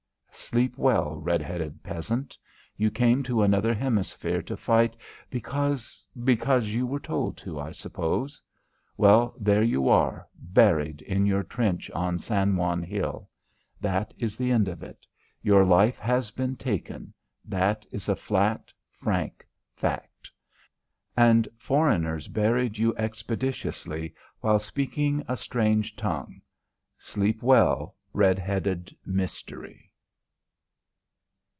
Sleep well, red headed peasant. You came to another hemisphere to fight because because you were told to, I suppose. Well, there you are, buried in your trench on San Juan hill. That is the end of it, your life has been taken that is a flat, frank fact. And foreigners buried you expeditiously while speaking a strange tongue. Sleep well, red headed mystery.